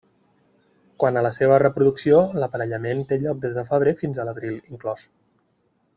Quant a la seva reproducció, l'aparellament té lloc des de febrer fins a l'abril inclòs.